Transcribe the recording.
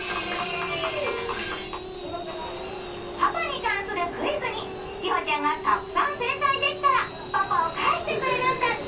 パパに関するクイズに千穂ちゃんがたくさん正解できたらパパを返してくれるんだって。